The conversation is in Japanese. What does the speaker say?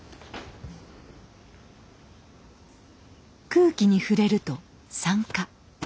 空気に触れると酸化。